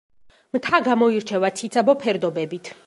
მთა გამოირჩევა ციცაბო ფერდობებით.